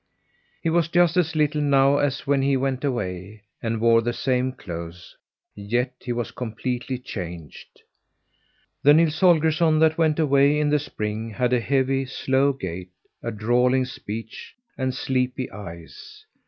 He was just as little now as when he went away, and wore the same clothes; yet he was completely changed. The Nils Holgersson that went away in the spring had a heavy, slow gait, a drawling speech, and sleepy eyes.